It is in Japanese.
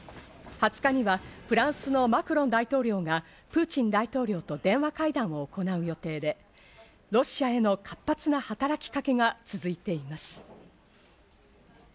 ２０日にはフランスのマクロン大統領がプーチン大統領と電話会談を行う予定で、ロシアへの活発な働きかけが続いています。